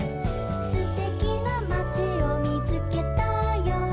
「すてきなまちをみつけたよ」